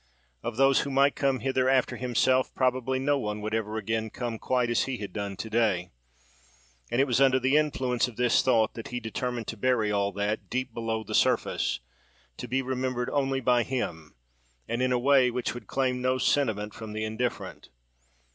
Of those who might come hither after himself probably no one would ever again come quite as he had done to day; and it was under the influence of this thought that he determined to bury all that, deep below the surface, to be remembered only by him, and in a way which would claim no sentiment from the indifferent.